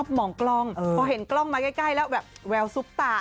พอเห็นกล้องมาใกล้แล้วแบบเววซุปตา